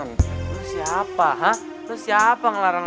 makasih ya udah pada datang